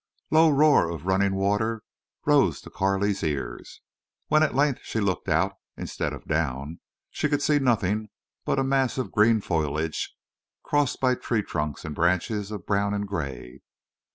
Low roar of running water rose to Carley's ears. When at length she looked out instead of down she could see nothing but a mass of green foliage crossed by tree trunks and branches of brown and gray.